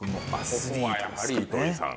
ここはやはり糸井さん。